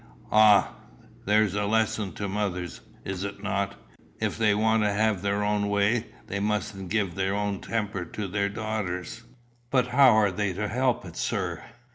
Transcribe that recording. "Ah, there's a lesson to mothers, is it not? If they want to have their own way, they mustn't give their own temper to their daughters." "But how are they to help it, sir?"